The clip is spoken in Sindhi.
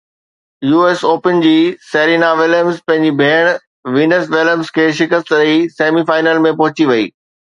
يو ايس اوپن جي سيرينا وليمز پنهنجي ڀيڻ وينس وليمز کي شڪست ڏئي سيمي فائنل ۾ پهچي وئي